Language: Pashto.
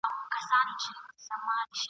ته ورځه زه در پسې یم زه هم ژر در روانېږم !.